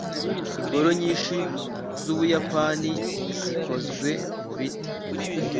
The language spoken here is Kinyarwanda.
ingoro nyinshi z'ubuyapani zikozwe mu biti